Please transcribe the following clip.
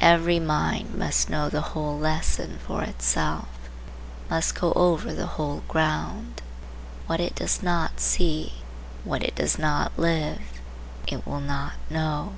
Every mind must know the whole lesson for itself,—must go over the whole ground. What it does not see, what it does not live, it will not know.